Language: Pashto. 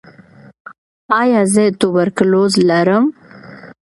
ایا زه تبرکلوز لرم؟